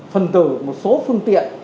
phần tử một số phương tiện